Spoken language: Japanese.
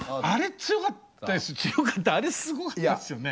強かったあれすごかったですよね。